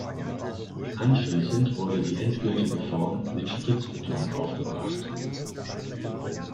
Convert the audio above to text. Anschließend wurde die endgültige Form mit Spritzbeton aufgebracht.